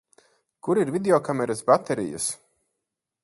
Kur ir videokameras baterijas?